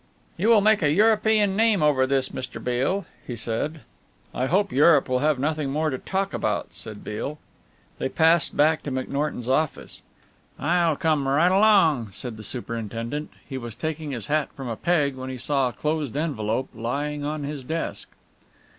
"You will make a European name over this, Mr. Beale," he said. "I hope Europe will have nothing more to talk about," said Beale. They passed back to McNorton's office. "I'll come right along," said the superintendent. He was taking his hat from a peg when he saw a closed envelope lying on his desk.